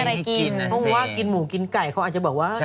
เพราะว่ากินหมูกินไก่เขาอาจจะบอกว่า